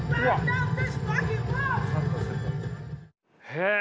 へえ。